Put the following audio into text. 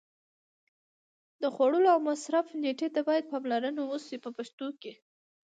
د خوړلو او مصرف نېټې ته باید پاملرنه وشي په پښتو کې.